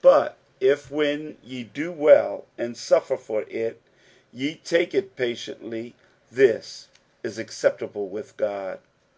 but if, when ye do well, and suffer for it, ye take it patiently, this is acceptable with God.